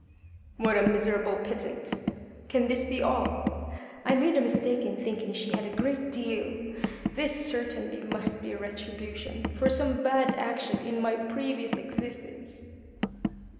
What a miserable pittance ! Can this be all ? I made a mistake in thinking she had a great deal. This certainly must be retribution for some bad action in my previous existence